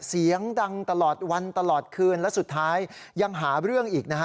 เสียงดังตลอดวันตลอดคืนและสุดท้ายยังหาเรื่องอีกนะฮะ